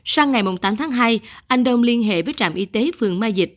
sáng ngày tám tháng hai anh đồng liên hệ với trạm y tế phường mai dịch